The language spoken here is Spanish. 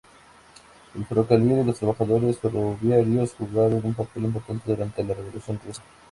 El ferrocarril y los trabajadores ferroviarios jugaron un papel importante durante la Revolución Rusa.